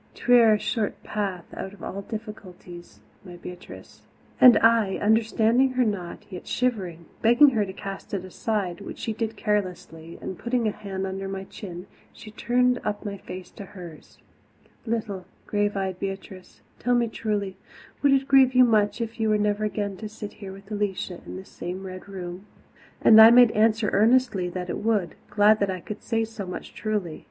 'Twere a short path out of all difficulties, my Beatrice." And I, understanding her not, yet shivering, begged her to cast it aside, which she did carelessly and, putting a hand under my chin, she turned up my face to hers. "Little, grave eyed Beatrice, tell me truly, would it grieve you much if you were never again to sit here with Alicia in this same Red Room?" And I made answer earnestly that it would, glad that I could say so much truly.